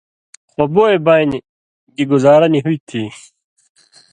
خو بوئے بانیۡ گی گُزاراہ نہ ہُوئ تھی۔